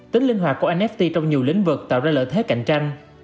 tính linh hoạt của inft trong nhiều lĩnh vực tạo ra lợi thế cạnh tranh